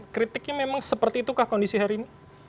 kritiknya memang seperti itukah kondisi hari ini